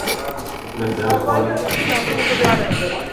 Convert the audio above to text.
Men den har inte visat sig.